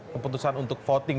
keputusan untuk voting